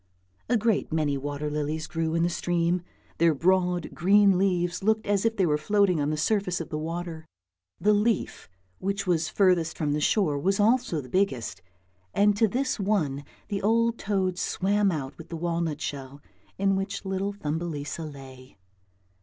A great many water lilies grew in the stream, their broad green leaves looked as if they were floating on the surface of the water. The leaf which was furthest from the shore was also the biggest, and to this one the old toad swam out with the walnut shell in which little Thumbelisa lay.